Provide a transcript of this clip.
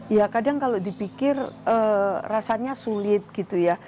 ya kadang kalau dipikir rasanya sulit gitu ya